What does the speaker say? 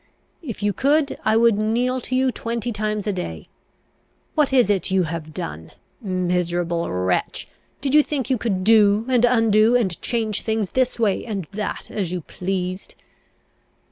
If you could, I would kneel to you twenty times a day! What is it you have done? Miserable wretch! did you think you could do and undo, and change things this way and that, as you pleased?"